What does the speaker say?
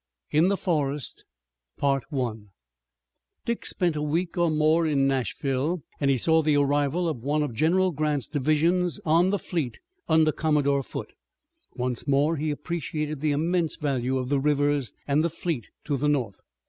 IN THE FOREST Dick spent a week or more in Nashville and he saw the arrival of one of General Grant's divisions on the fleet under Commodore Foote. Once more he appreciated the immense value of the rivers and the fleet to the North.